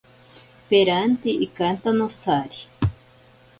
Peranti ikanta nosari.